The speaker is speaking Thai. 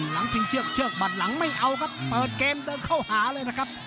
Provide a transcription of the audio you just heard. พิงเชือกเชือกบัดหลังไม่เอาครับเปิดเกมเดินเข้าหาเลยนะครับ